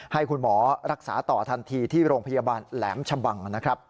ให้คุณหมอรักษาต่อทันทีที่โรงพยาบาลแหลมชะบังนะครับ